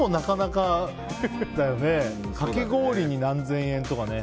かき氷に何千円とかね。